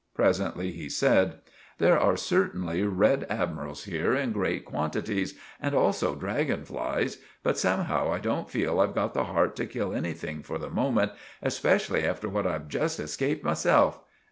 Presently he said— "There are certainly red admirals here in grate quantities and also draggon flies, but somehow I don't feel I've got the heart to kill annything for the moment, espeshully after what I've just eskaped myself.